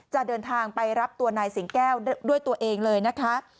จะเดินทางไปรับตัวนายสิงแก้วด้วยตัวเองเลยนะคะ